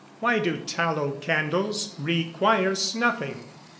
_Why do tallow candles require snuffing?